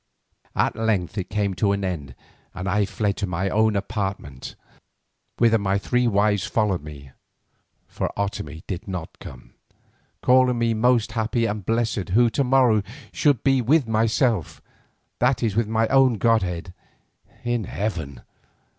At length it came to an end and I fled to my own apartments, whither my three wives followed me, for Otomie did not come, calling me most happy and blessed who to morrow should be with myself, that is with my own godhead, in heaven.